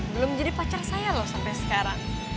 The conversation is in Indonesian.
belum jadi pacar saya loh sampai sekarang